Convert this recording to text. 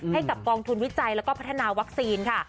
ให้กับกองทุนวิจัยแล้วก็พัฒนาวัคซีนค่ะ